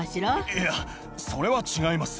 いや、それは違います。